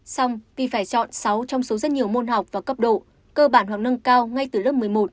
xong thì phải chọn sáu trong số rất nhiều môn học và cấp độ cơ bản hoặc nâng cao ngay từ lớp một mươi một